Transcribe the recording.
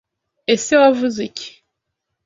Ese Wavuze iki?